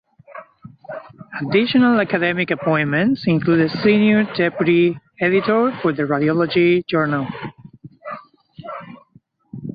Additional academic appointments include the senior deputy editor for the Radiology journal.